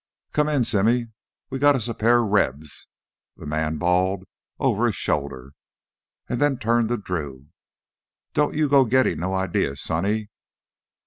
"Come in, Simmy, we's got us a pair o' Rebs," the man bawled over his shoulder, and then turned to Drew. "Don't you go gittin' no ideas, sonny.